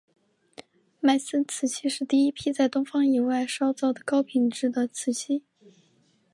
迈森瓷器是第一批在东方以外烧造的高品质的瓷器。